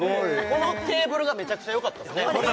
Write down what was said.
このテーブルがめちゃくちゃよかったですね